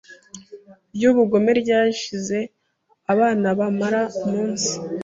ryubugome ryashize Abana bamara umunsi